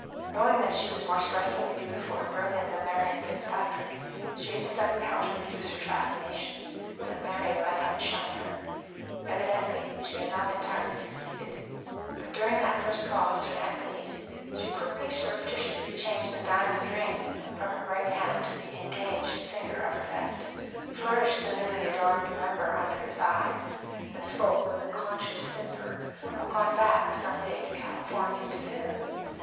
Knowing that she was more strikingly beautiful and brilliant than Marian Fitzpatrick, she had studied how to reduce her fascinations, that Marian might outshine her. Evidently she had not entirely succeeded; but during that first call of Sir Anthony's, she quickly, surreptitiously changed a diamond ring from her right hand to the "engaged" finger of her left, flourished the newly adorned member under his eyes, and spoke, with a conscious simper, of "going back some day to California to live."